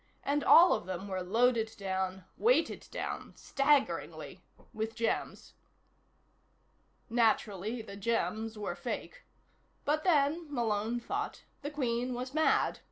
And all of them were loaded down, weighted down, staggeringly, with gems. Naturally, the gems were fake. But then, Malone thought, the Queen was mad.